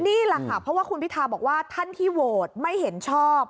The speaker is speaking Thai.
นี่แหละค่ะเพราะว่าคุณพิทาบอกว่าท่านที่โหวตไม่เห็นชอบ